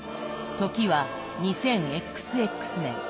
時は２０ＸＸ年。